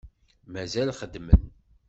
Mazal xeddmen.